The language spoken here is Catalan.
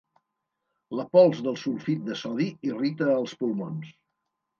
La pols del sulfit de sodi irrita els pulmons.